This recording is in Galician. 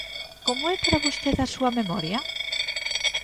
Como é para vostede a súa memoria?